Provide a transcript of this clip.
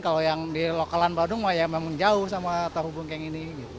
pakalan padung mah ya memang jauh sama tahu bungkeng ini